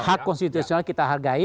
hak konstitusional kita hargai